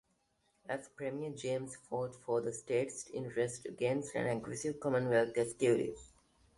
As premier, James fought for the state's interests against an aggressive Commonwealth executive.